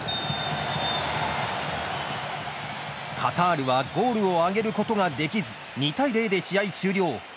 カタールはゴールを挙げることができず２対０で試合終了。